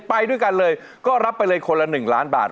ไปด้วยกันเลยก็รับไปเลยคนละ๑ล้านบาท